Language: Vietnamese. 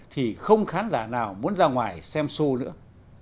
thì không khán giả nào muốn ra ngoài xem sô nữa